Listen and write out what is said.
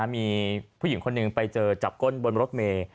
มีผู้หญิงคนหนึ่งไปเจอจับก้นบนรถเมย์